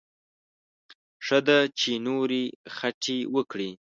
ښه ده چې نورې خټې وکړي.